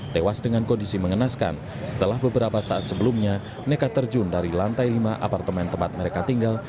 tewas dengan kondisi mengenaskan setelah beberapa saat sebelumnya nekat terjun dari lantai lima apartemen tempat mereka tinggal